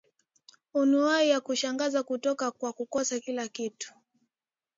anuwai ya kushangaza kutoka kwa kukosoa kila kitu